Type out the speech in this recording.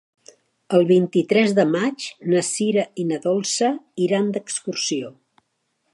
El vint-i-tres de maig na Sira i na Dolça iran d'excursió.